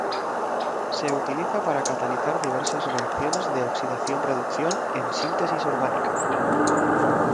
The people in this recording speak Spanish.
Se utiliza para catalizar diversas reacciones de oxidación-reducción en síntesis orgánica.